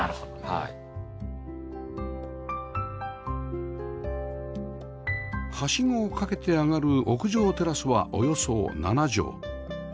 はしごを掛けて上がる屋上テラスはおよそ７畳